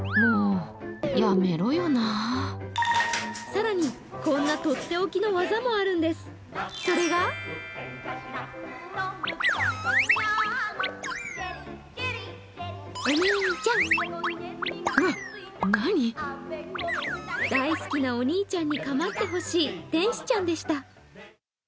更にこんなとっておきの技もあるんです、それは大好きなお兄ちゃんに構ってほしい天使ちゃんでした。